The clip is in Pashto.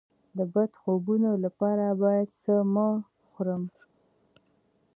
د بد خوبونو لپاره باید څه مه خورم؟